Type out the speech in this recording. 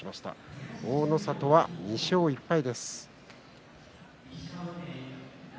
大の里は２勝１敗です。